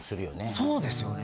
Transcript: そうですよね。